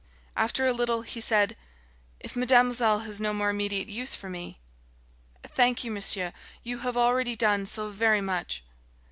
After a little, he said: "If mademoiselle has no more immediate use for me " "Thank you, monsieur. You have already done so very much!"